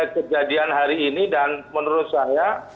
kejadian hari ini dan menurut saya